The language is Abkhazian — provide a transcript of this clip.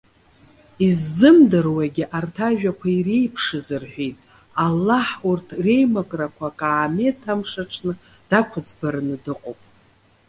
Иззымдыруагьы арҭ ажәақәа иреиԥшыз рҳәеит. Аллаҳ урҭ реимакрақәа акаамеҭ амш аҽны дақәыӡбараны дыҟоуп.